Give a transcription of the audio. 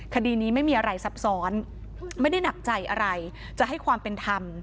คดีนี้ไม่มีอะไรซับซ้อนไม่ได้หนักใจอะไรจะให้ความเป็นธรรม